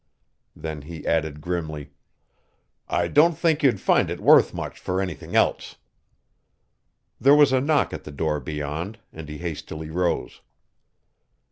Then he added grimly: "I don't think you'd find it worth much for anything else." There was a knock at the door beyond, and he hastily rose.